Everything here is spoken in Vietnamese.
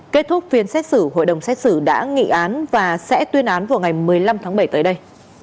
kết thúc phiên xét xử hội đồng xét xử đã nghị án và sẽ tuyên án vào ngày một mươi năm tháng bảy tới đây